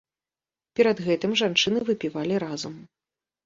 Перад гэтым жанчыны выпівалі разам.